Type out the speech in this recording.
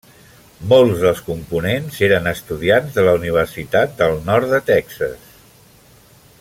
Molts dels components eren estudiants de la Universitat del Nord de Texas.